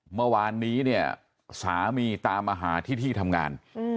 เมื่อวานนี้เนี่ยสามีตามมาหาที่ที่ทำงาน